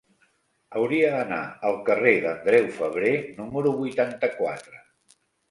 Hauria d'anar al carrer d'Andreu Febrer número vuitanta-quatre.